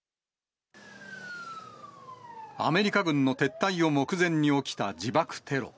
アメリカ軍の撤退を目前に起きた自爆テロ。